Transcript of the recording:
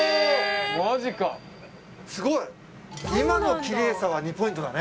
マジかすごい今のキレイさは２ポイントだね